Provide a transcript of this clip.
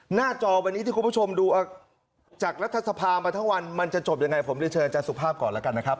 หน้าจอวันนี้ที่คุณผู้ชมดูจากรัฐสภามาทั้งวันมันจะจบยังไงผมจะเชิญอาจารย์สุภาพก่อนแล้วกันนะครับ